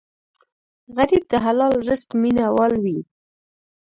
غریب د حلال رزق مینه وال وي